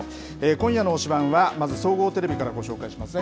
今夜の推しバン！は、まず総合テレビからご紹介しますね。